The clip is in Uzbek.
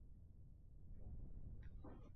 Etagingga siqqanicha ol